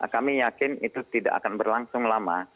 kami yakin itu tidak akan berlangsung lama